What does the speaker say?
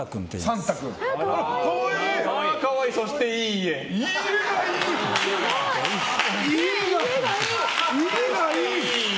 家はいい！